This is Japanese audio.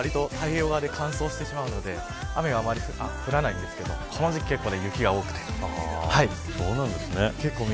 冬場は、わりと太平洋側で乾燥してしまうので雨があまり降らないんですけどこの時期、結構雪が多くてそうなんですね。